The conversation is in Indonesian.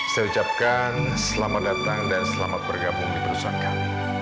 saya ucapkan selamat datang dan selamat bergabung di perusahaan kami